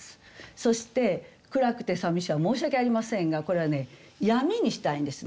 そして「暗くて淋し」は申し訳ありませんがこれはね「闇」にしたいんですね。